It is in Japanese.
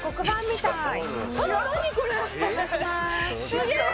すげえ！